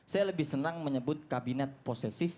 saya lebih senang menyebut kabinet posesif